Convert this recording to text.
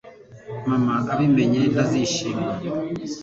Mama abimenye ntazishima